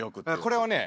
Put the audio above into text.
これをね